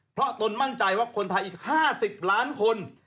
เพราะตนมั่นใจว่าคนไทยอีก๕๐ล้านคน